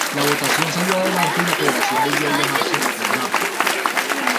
La votación salió adelante y la federación volvió a llamarse del Norte.